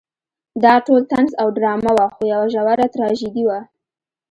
دا ټول طنز او ډرامه وه خو یوه ژوره تراژیدي وه.